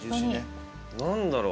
何だろう？